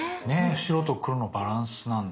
白と黒のバランスなんだ。